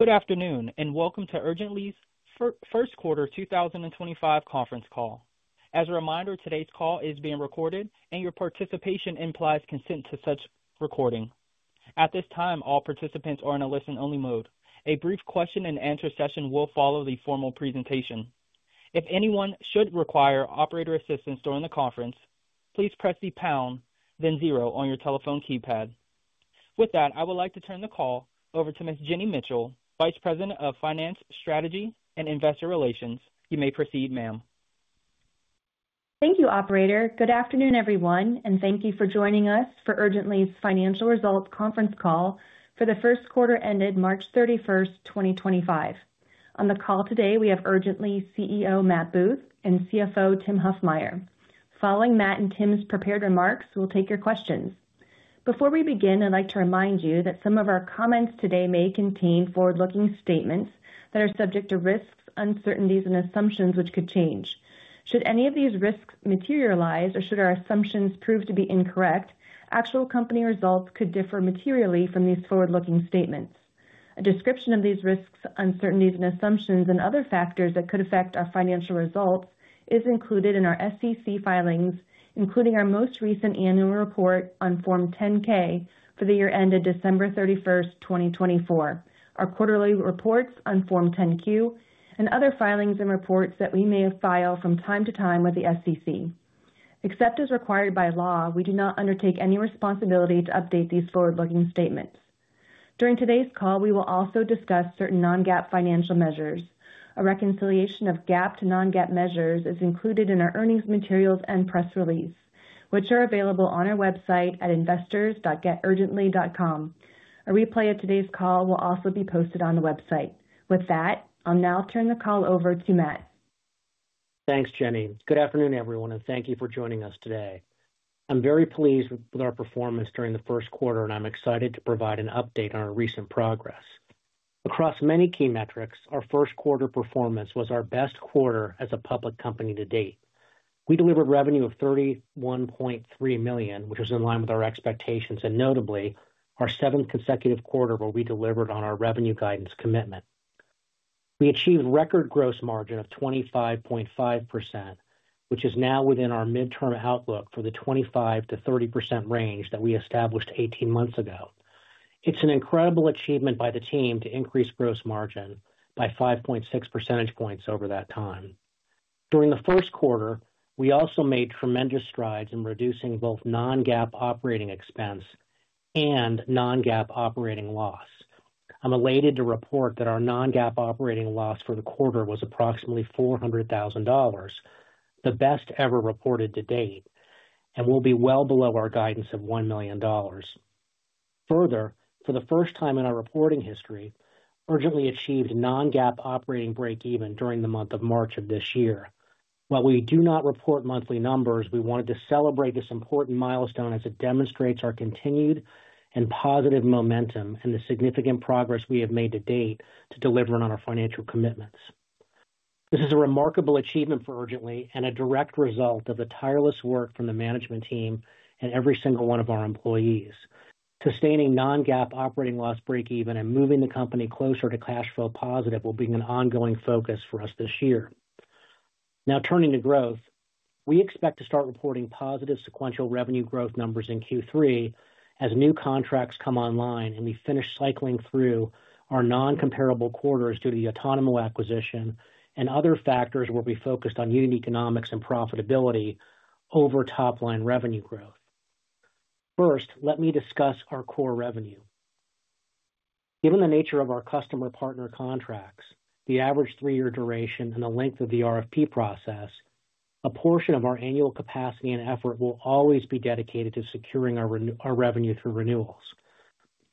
Good afternoon and welcome to Urgently's first quarter 2025 conference call. As a reminder, today's call is being recorded and your participation implies consent to such recording. At this time, all participants are in a listen-only mode. A brief question-and-answer session will follow the formal presentation. If anyone should require operator assistance during the conference, please press the pound, then zero on your telephone keypad. With that, I would like to turn the call over to Ms. Jenny Mitchell, Vice President of Finance Strategy and Investor Relations. You may proceed, ma'am. Thank you, Operator. Good afternoon, everyone, and thank you for joining us for Urgently's financial results conference call for the first quarter ended March 31st, 2025. On the call today, we have Urgently CEO Matt Booth and CFO Tim Huffmyer. Following Matt and Tim's prepared remarks, we'll take your questions. Before we begin, I'd like to remind you that some of our comments today may contain forward-looking statements that are subject to risks, uncertainties, and assumptions which could change. Should any of these risks materialize or should our assumptions prove to be incorrect, actual company results could differ materially from these forward-looking statements. A description of these risks, uncertainties, and assumptions and other factors that could affect our financial results is included in our SEC filings, including our most recent annual report on Form 10-K for the year ended December 31st, 2024, our quarterly reports on Form 10-Q, and other filings and reports that we may file from time to time with the SEC. Except as required by law, we do not undertake any responsibility to update these forward-looking statements. During today's call, we will also discuss certain non-GAAP financial measures. A reconciliation of GAAP to non-GAAP measures is included in our earnings materials and press release, which are available on our website at investors.geturgently.com. A replay of today's call will also be posted on the website. With that, I'll now turn the call over to Matt. Thanks, Jenny. Good afternoon, everyone, and thank you for joining us today. I'm very pleased with our performance during the first quarter, and I'm excited to provide an update on our recent progress. Across many key metrics, our first quarter performance was our best quarter as a public company to date. We delivered revenue of $31.3 million, which was in line with our expectations, and notably, our seventh consecutive quarter where we delivered on our revenue guidance commitment. We achieved record gross margin of 25.5%, which is now within our midterm outlook for the 25%-30% range that we established 18 months ago. It's an incredible achievement by the team to increase gross margin by 5.6 percentage points over that time. During the first quarter, we also made tremendous strides in reducing both non-GAAP operating expense and non-GAAP operating loss. I'm elated to report that our non-GAAP operating loss for the quarter was approximately $400,000, the best ever reported to date, and well below our guidance of $1 million. Further, for the first time in our reporting history, Urgently achieved non-GAAP operating break-even during the month of March of this year. While we do not report monthly numbers, we wanted to celebrate this important milestone as it demonstrates our continued and positive momentum and the significant progress we have made to date to deliver on our financial commitments. This is a remarkable achievement for Urgently and a direct result of the tireless work from the management team and every single one of our employees. Sustaining non-GAAP operating loss break-even and moving the company closer to cash flow positive will be an ongoing focus for us this year. Now, turning to growth, we expect to start reporting positive sequential revenue growth numbers in Q3 as new contracts come online and we finish cycling through our non-comparable quarters due to the Otonomo acquisition and other factors where we focused on unit economics and profitability over top-line revenue growth. First, let me discuss our core revenue. Given the nature of our customer-partner contracts, the average three-year duration, and the length of the RFP process, a portion of our annual capacity and effort will always be dedicated to securing our revenue through renewals.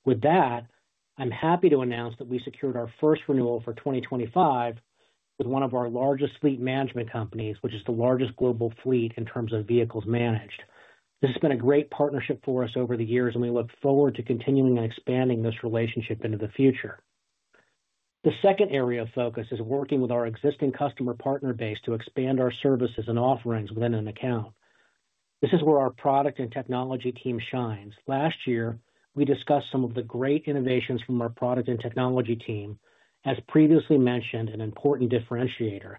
With that, I'm happy to announce that we secured our first renewal for 2025 with one of our largest fleet management companies, which is the largest global fleet in terms of vehicles managed. This has been a great partnership for us over the years, and we look forward to continuing and expanding this relationship into the future. The second area of focus is working with our existing customer partner base to expand our services and offerings within an account. This is where our product and technology team shines. Last year, we discussed some of the great innovations from our product and technology team, as previously mentioned, an important differentiator,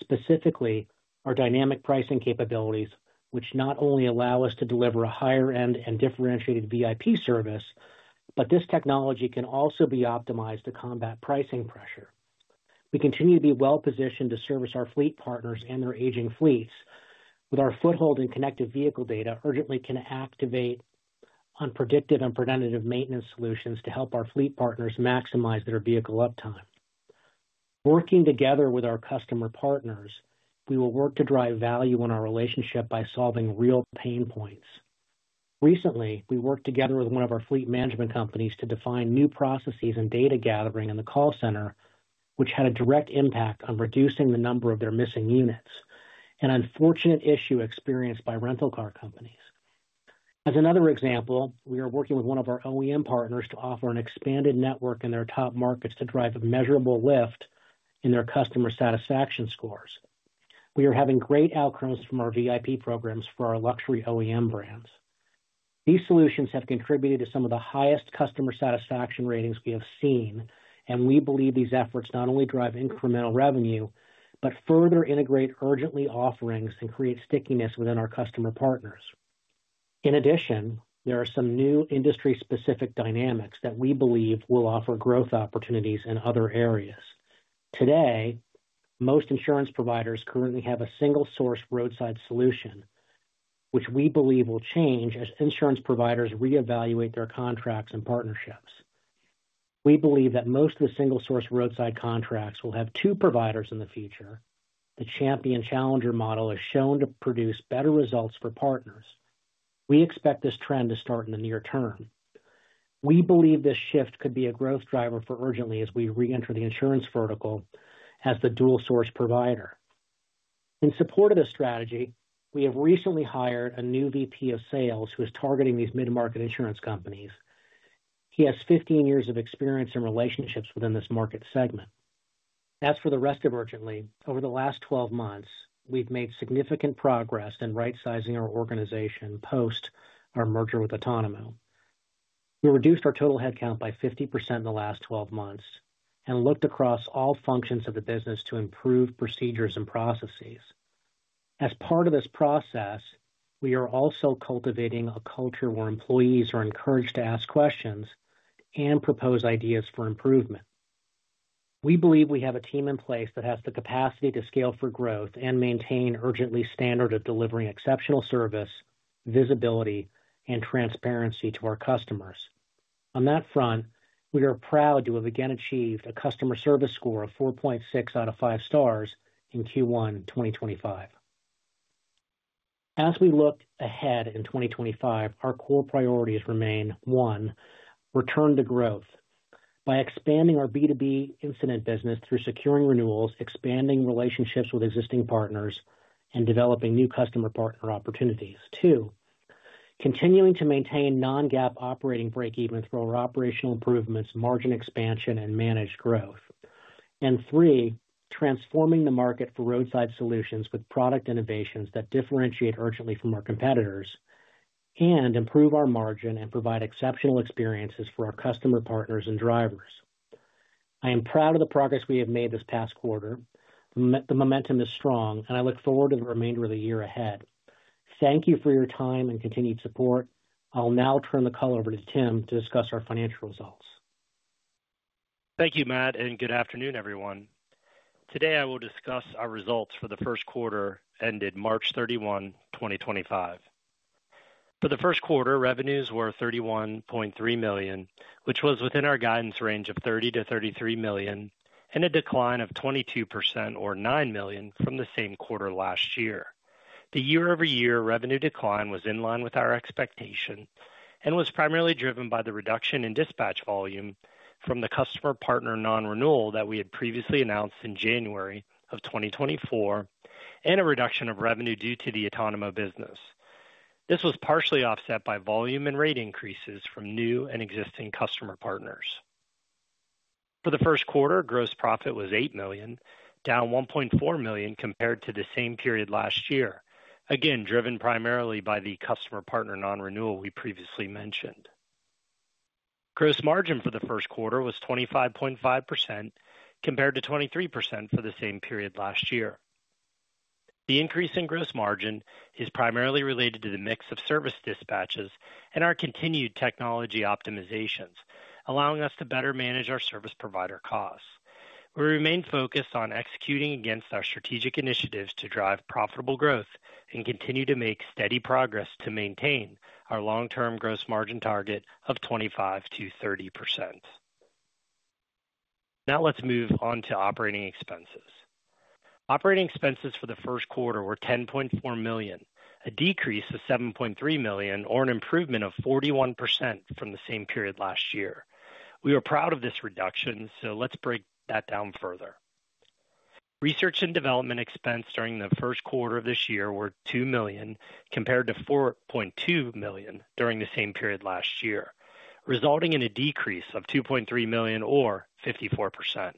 specifically our dynamic pricing capabilities, which not only allow us to deliver a higher-end and differentiated VIP service, but this technology can also be optimized to combat pricing pressure. We continue to be well-positioned to service our fleet partners and their aging fleets. With our foothold in connected vehicle data, Urgently can activate unpredictive and preventative maintenance solutions to help our fleet partners maximize their vehicle uptime. Working together with our customer partners, we will work to drive value in our relationship by solving real pain points. Recently, we worked together with one of our fleet management companies to define new processes and data gathering in the call center, which had a direct impact on reducing the number of their missing units and unfortunate issues experienced by rental car companies. As another example, we are working with one of our OEM partners to offer an expanded network in their top markets to drive a measurable lift in their customer satisfaction scores. We are having great outcomes from our VIP programs for our luxury OEM brands. These solutions have contributed to some of the highest customer satisfaction ratings we have seen, and we believe these efforts not only drive incremental revenue, but further integrate Urgently offerings and create stickiness within our customer partners. In addition, there are some new industry-specific dynamics that we believe will offer growth opportunities in other areas. Today, most insurance providers currently have a single-source roadside solution, which we believe will change as insurance providers reevaluate their contracts and partnerships. We believe that most of the single-source roadside contracts will have two providers in the future. The champion-challenger model has shown to produce better results for partners. We expect this trend to start in the near term. We believe this shift could be a growth driver for Urgently as we re-enter the insurance vertical as the dual-source provider. In support of this strategy, we have recently hired a new VP of Sales who is targeting these mid-market insurance companies. He has 15 years of experience and relationships within this market segment. As for the rest of Urgently, over the last 12 months, we've made significant progress in right-sizing our organization post our merger with Otonomo. We reduced our total headcount by 50% in the last 12 months and looked across all functions of the business to improve procedures and processes. As part of this process, we are also cultivating a culture where employees are encouraged to ask questions and propose ideas for improvement. We believe we have a team in place that has the capacity to scale for growth and maintain Urgently's standard of delivering exceptional service, visibility, and transparency to our customers. On that front, we are proud to have again achieved a customer service score of 4.6 out of 5 stars in Q1 2025. As we look ahead in 2025, our core priorities remain: one, return to growth by expanding our B2B incident business through securing renewals, expanding relationships with existing partners, and developing new customer-partner opportunities; two, continuing to maintain non-GAAP operating break-even through our operational improvements, margin expansion, and managed growth; and three, transforming the market for roadside solutions with product innovations that differentiate Urgently from our competitors and improve our margin and provide exceptional experiences for our customer partners and drivers. I am proud of the progress we have made this past quarter. The momentum is strong, and I look forward to the remainder of the year ahead. Thank you for your time and continued support. I'll now turn the call over to Tim to discuss our financial results. Thank you, Matt, and good afternoon, everyone. Today, I will discuss our results for the first quarter ended March 31, 2025. For the first quarter, revenues were $31.3 million, which was within our guidance range of $30-$33 million, and a decline of 22% or $9 million from the same quarter last year. The year-over-year revenue decline was in line with our expectation and was primarily driven by the reduction in dispatch volume from the customer-partner non-renewal that we had previously announced in January of 2024 and a reduction of revenue due to the Otonomo business. This was partially offset by volume and rate increases from new and existing customer partners. For the first quarter, gross profit was $8 million, down $1.4 million compared to the same period last year, again driven primarily by the customer-partner non-renewal we previously mentioned. Gross margin for the first quarter was 25.5% compared to 23% for the same period last year. The increase in gross margin is primarily related to the mix of service dispatches and our continued technology optimizations, allowing us to better manage our service provider costs. We remain focused on executing against our strategic initiatives to drive profitable growth and continue to make steady progress to maintain our long-term gross margin target of 25-30%. Now, let's move on to operating expenses. Operating expenses for the first quarter were $10.4 million, a decrease of $7.3 million, or an improvement of 41% from the same period last year. We are proud of this reduction, so let's break that down further. Research and development expenses during the first quarter of this year were $2 million compared to $4.2 million during the same period last year, resulting in a decrease of $2.3 million or 54%.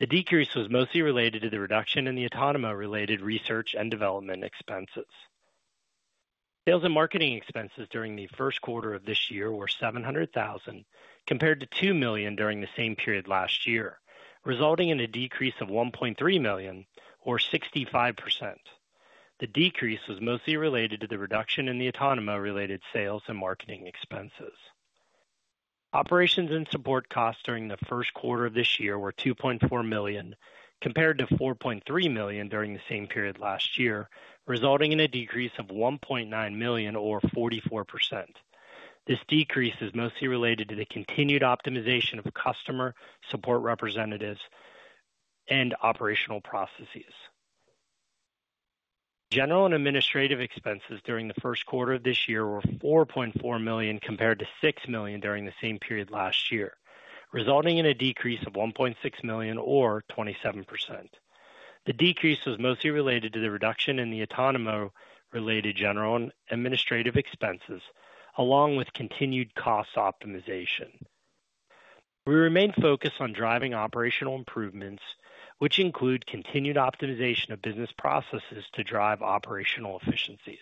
The decrease was mostly related to the reduction in the Otonomo-related research and development expenses. Sales and marketing expenses during the first quarter of this year were $700,000 compared to $2 million during the same period last year, resulting in a decrease of $1.3 million or 65%. The decrease was mostly related to the reduction in the Otonomo-related sales and marketing expenses. Operations and support costs during the first quarter of this year were $2.4 million compared to $4.3 million during the same period last year, resulting in a decrease of $1.9 million or 44%. This decrease is mostly related to the continued optimization of customer support representatives and operational processes. General and administrative expenses during the first quarter of this year were $4.4 million compared to $6 million during the same period last year, resulting in a decrease of $1.6 million or 27%. The decrease was mostly related to the reduction in the Otonomo-related general and administrative expenses, along with continued cost optimization. We remain focused on driving operational improvements, which include continued optimization of business processes to drive operational efficiencies.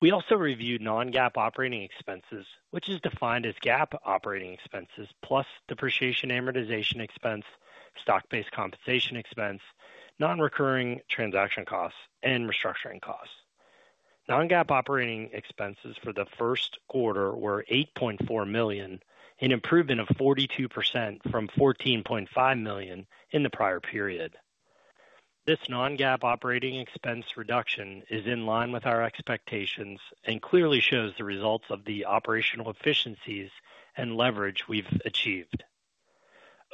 We also reviewed non-GAAP operating expenses, which is defined as GAAP operating expenses plus depreciation amortization expense, stock-based compensation expense, non-recurring transaction costs, and restructuring costs. Non-GAAP operating expenses for the first quarter were $8.4 million, an improvement of 42% from $14.5 million in the prior period. This non-GAAP operating expense reduction is in line with our expectations and clearly shows the results of the operational efficiencies and leverage we've achieved.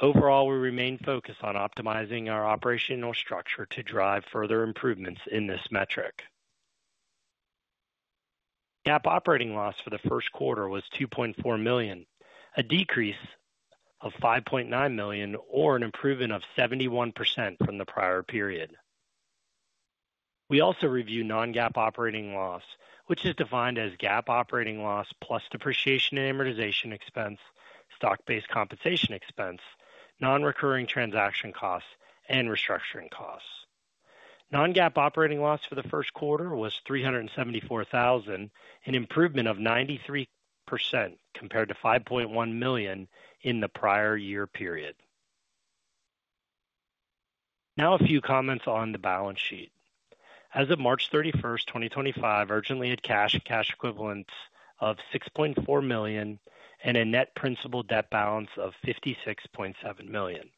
Overall, we remain focused on optimizing our operational structure to drive further improvements in this metric. GAAP operating loss for the first quarter was $2.4 million, a decrease of $5.9 million or an improvement of 71% from the prior period. We also reviewed non-GAAP operating loss, which is defined as GAAP operating loss plus depreciation amortization expense, stock-based compensation expense, non-recurring transaction costs, and restructuring costs. Non-GAAP operating loss for the first quarter was $374,000, an improvement of 93% compared to $5.1 million in the prior year period. Now, a few comments on the balance sheet. As of March 31st, 2025, Urgently had cash and cash equivalents of $6.4 million and a net principal debt balance of $56.7 million.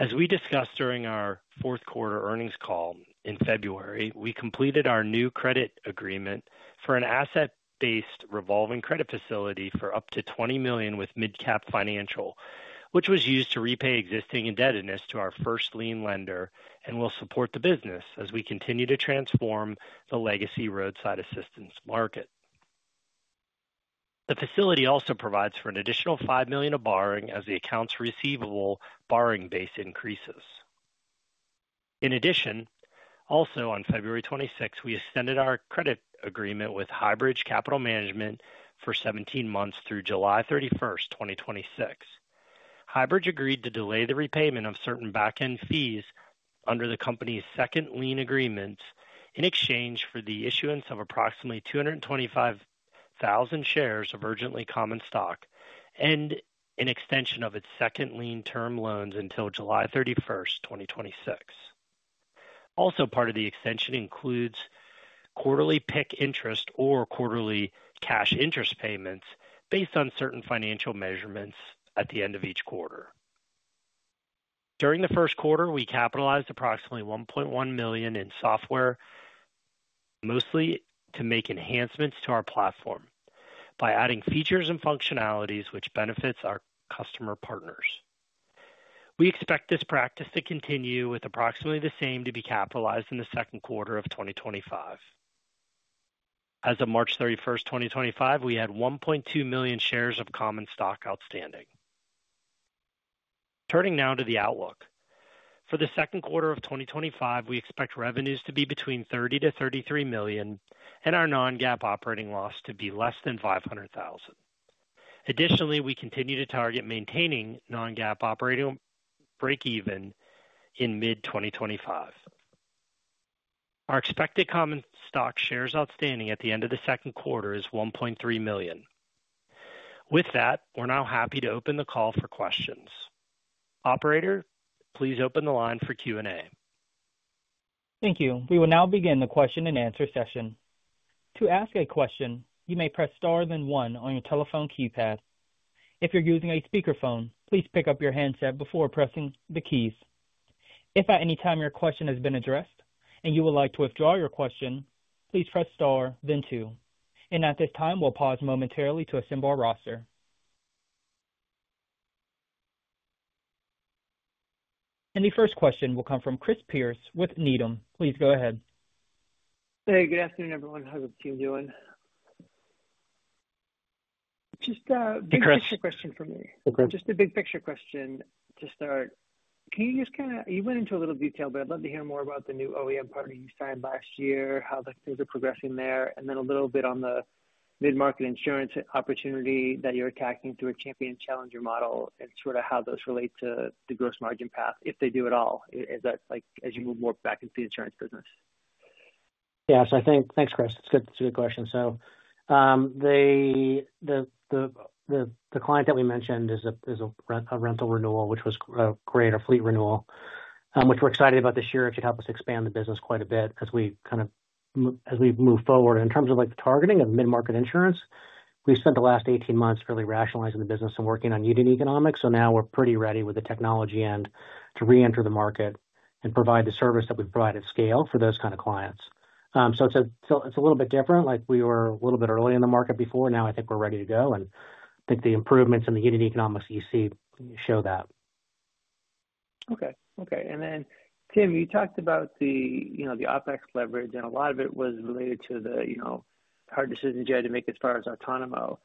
As we discussed during our fourth quarter earnings call in February, we completed our new credit agreement for an asset-based revolving credit facility for up to $20 million with Midcap Financial, which was used to repay existing indebtedness to our first lien lender and will support the business as we continue to transform the legacy roadside assistance market. The facility also provides for an additional $5 million of borrowing as the accounts receivable borrowing base increases. In addition, also on February 26, we extended our credit agreement with Highbridge Capital Management for 17 months through July 31st, 2026. Highbridge agreed to delay the repayment of certain back-end fees under the company's second lien agreement in exchange for the issuance of approximately 225,000 shares of Urgently Common Stock and an extension of its second lien term loans until July 31st, 2026. Also, part of the extension includes quarterly PIK interest or quarterly cash interest payments based on certain financial measurements at the end of each quarter. During the first quarter, we capitalized approximately $1.1 million in software, mostly to make enhancements to our platform by adding features and functionalities which benefit our customer partners. We expect this practice to continue with approximately the same to be capitalized in the second quarter of 2025. As of March 31st, 2025, we had 1.2 million shares of Common Stock outstanding. Turning now to the outlook. For the second quarter of 2025, we expect revenues to be between $30 million-$33 million and our non-GAAP operating loss to be less than $500,000. Additionally, we continue to target maintaining non-GAAP operating break-even in mid-2025. Our expected Common Stock shares outstanding at the end of the second quarter is 1.3 million. With that, we're now happy to open the call for questions. Operator, please open the line for Q&A. Thank you. We will now begin the question-and-answer session. To ask a question, you may press star then one on your telephone keypad. If you're using a speakerphone, please pick up your handset before pressing the keys. If at any time your question has been addressed and you would like to withdraw your question, please press star then two. At this time, we'll pause momentarily to assemble our roster. The first question will come from Chris Pierce with Needham. Please go ahead. Hey, good afternoon, everyone. How's the team doing? Just a big picture question for me. Just a big picture question to start. Can you just kind of—you went into a little detail, but I'd love to hear more about the new OEM partner you signed last year, how things are progressing there, and then a little bit on the mid-market insurance opportunity that you're attacking through a champion-challenger model and sort of how those relate to the gross margin path, if they do at all, as you move more back into the insurance business? Yeah, I think—thanks, Chris. That's a good question. The client that we mentioned is a rental renewal, which was great, a fleet renewal, which we're excited about this year. It should help us expand the business quite a bit as we move forward. In terms of targeting mid-market insurance, we've spent the last 18 months really rationalizing the business and working on unit economics. Now we're pretty ready with the technology end to re-enter the market and provide the service that we provide at scale for those kinds of clients. It's a little bit different. We were a little bit early in the market before. Now I think we're ready to go. I think the improvements in the unit economics you see show that. Okay. Okay. Tim, you talked about the OpEx leverage, and a lot of it was related to the hard decisions you had to make as far as Otonomo.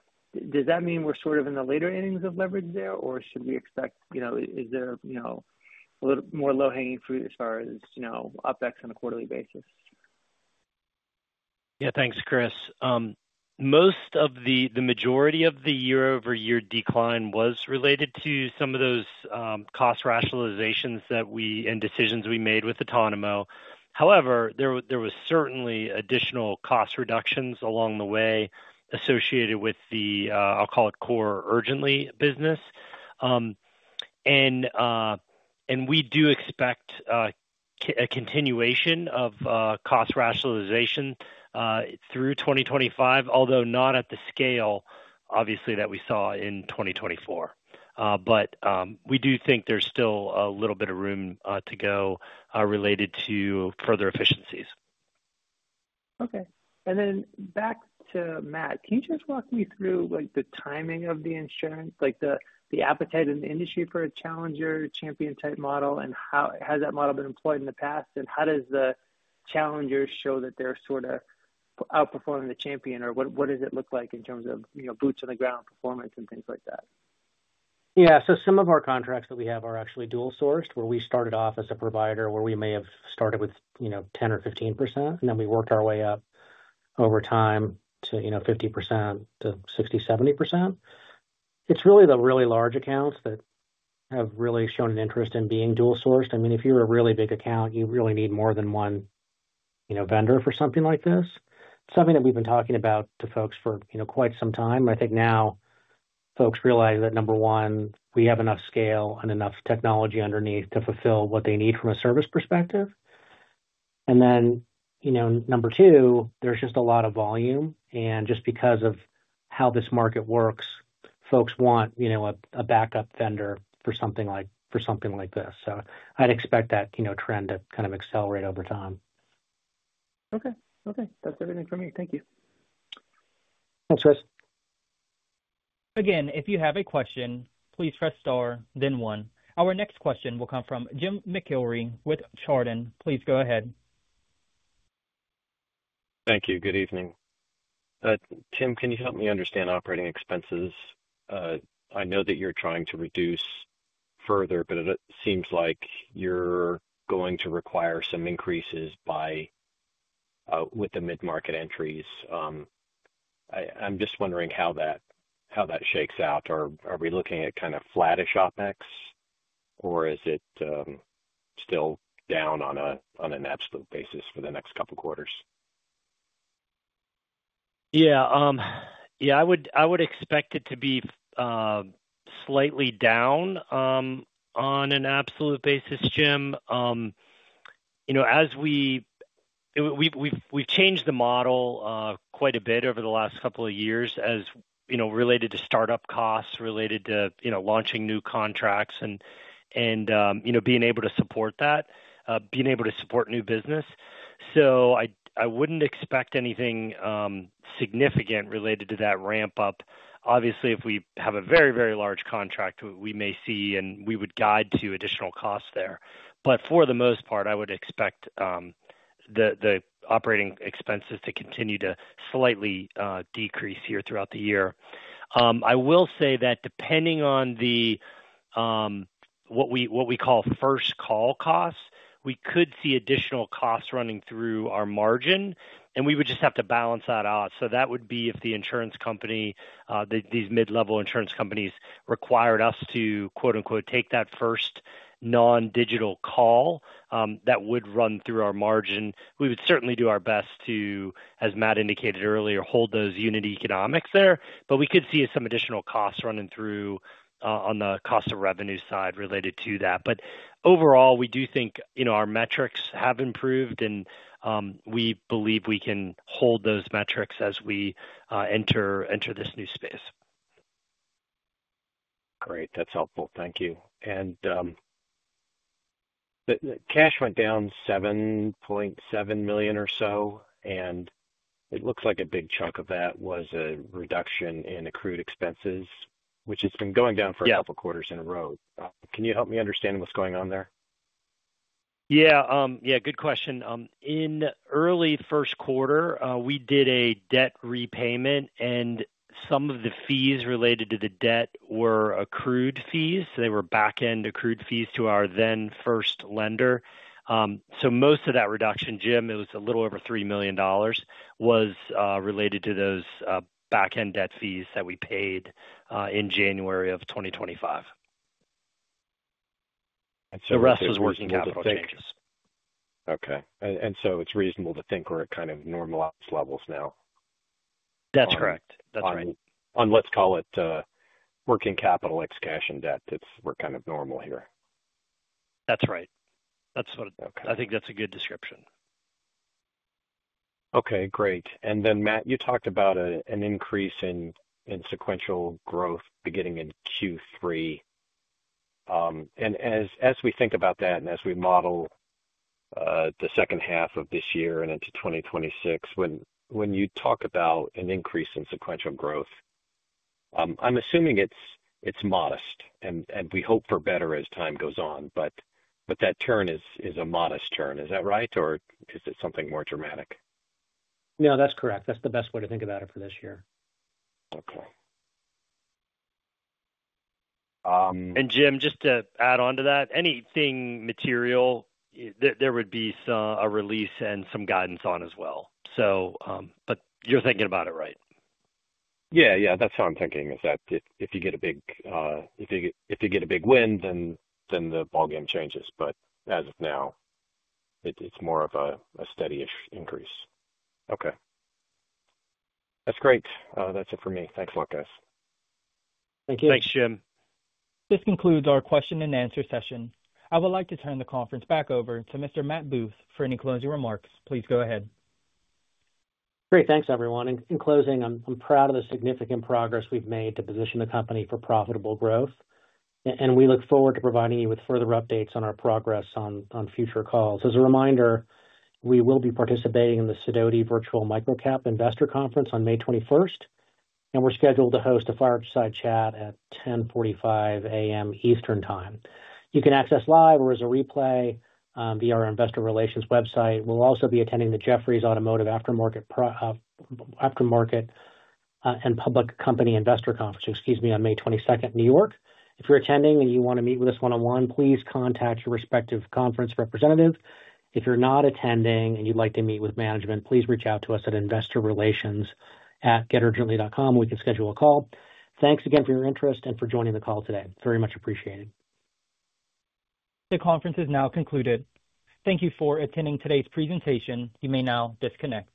Does that mean we're sort of in the later innings of leverage there, or should we expect—is there a little more low-hanging fruit as far as OpEx on a quarterly basis? Yeah, thanks, Chris. Most of the majority of the year-over-year decline was related to some of those cost rationalizations and decisions we made with Otonomo. However, there were certainly additional cost reductions along the way associated with the, I'll call it, core Urgently business. We do expect a continuation of cost rationalization through 2025, although not at the scale, obviously, that we saw in 2024. We do think there's still a little bit of room to go related to further efficiencies. Okay. Back to Matt. Can you just walk me through the timing of the insurance, the appetite in the industry for a champion-challenger-type model, and how has that model been employed in the past, and how does the challenger show that they're sort of outperforming the champion, or what does it look like in terms of boots on the ground performance and things like that? Yeah. Some of our contracts that we have are actually dual-sourced, where we started off as a provider where we may have started with 10% or 15%, and then we worked our way up over time to 50% to 60%-70%. It is really the really large accounts that have really shown an interest in being dual-sourced. I mean, if you are a really big account, you really need more than one vendor for something like this. It is something that we have been talking about to folks for quite some time. I think now folks realize that, number one, we have enough scale and enough technology underneath to fulfill what they need from a service perspective. Number two, there is just a lot of volume. Just because of how this market works, folks want a backup vendor for something like this. I'd expect that trend to kind of accelerate over time. Okay. Okay. That's everything from me. Thank you. Thanks, Chris. Again, if you have a question, please press star, then one. Our next question will come from Jim Mcllree with Chardan. Please go ahead. Thank you. Good evening. Tim, can you help me understand operating expenses? I know that you're trying to reduce further, but it seems like you're going to require some increases with the mid-market entries. I'm just wondering how that shakes out. Are we looking at kind of flattish OpEx, or is it still down on an absolute basis for the next couple of quarters? Yeah. Yeah, I would expect it to be slightly down on an absolute basis, Jim. We've changed the model quite a bit over the last couple of years related to startup costs, related to launching new contracts, and being able to support that, being able to support new business. I wouldn't expect anything significant related to that ramp-up. Obviously, if we have a very, very large contract, we may see, and we would guide to additional costs there. For the most part, I would expect the operating expenses to continue to slightly decrease here throughout the year. I will say that depending on what we call first-call costs, we could see additional costs running through our margin, and we would just have to balance that out. If the insurance company, these mid-level insurance companies, required us to "take that first non-digital call," that would run through our margin. We would certainly do our best to, as Matt indicated earlier, hold those unit economics there. We could see some additional costs running through on the cost of revenue side related to that. Overall, we do think our metrics have improved, and we believe we can hold those metrics as we enter this new space. Great. That's helpful. Thank you. Cash went down $7.7 million or so, and it looks like a big chunk of that was a reduction in accrued expenses, which has been going down for a couple of quarters in a row. Can you help me understand what's going on there? Yeah. Yeah. Good question. In early first quarter, we did a debt repayment, and some of the fees related to the debt were accrued fees. They were back-end accrued fees to our then first lender. So most of that reduction, Jim, it was a little over $3 million, was related to those back-end debt fees that we paid in January of 2025. The rest was working capital changes. Okay. And so it's reasonable to think we're at kind of normalized levels now? That's correct. That's right. On, let's call it, working capital ex cash and debt, we're kind of normal here. That's right. I think that's a good description. Okay. Great. Matt, you talked about an increase in sequential growth beginning in Q3. As we think about that and as we model the second half of this year and into 2026, when you talk about an increase in sequential growth, I'm assuming it's modest, and we hope for better as time goes on. That turn is a modest turn. Is that right, or is it something more dramatic? No, that's correct. That's the best way to think about it for this year. Okay. Jim, just to add on to that, anything material, there would be a release and some guidance on as well. You're thinking about it, right? Yeah. Yeah. That's how I'm thinking, is that if you get a big, if you get a big win, then the ballgame changes. As of now, it's more of a steady increase. Okay. That's great. That's it for me. Thanks. Thank you. Thanks, Jim. This concludes our question and answer session. I would like to turn the conference back over to Mr. Matt Booth for any closing remarks. Please go ahead. Great. Thanks, everyone. In closing, I'm proud of the significant progress we've made to position the company for profitable growth. We look forward to providing you with further updates on our progress on future calls. As a reminder, we will be participating in the Sidoti Virtual Micro-cap Investor Conference on May 21st. We're scheduled to host a fireside chat at 10:45 A.M. Eastern Time. You can access live or as a replay via our investor relations website. We'll also be attending the Jefferies Automotive Aftermarket and Public Company Investor Conference, excuse me, on May 22nd, New York. If you're attending and you want to meet with us one-on-one, please contact your respective conference representative. If you're not attending and you'd like to meet with management, please reach out to us at investorrelations@geturgently.com. We can schedule a call. Thanks again for your interest and for joining the call today. Very much appreciated. The conference is now concluded. Thank you for attending today's presentation. You may now disconnect.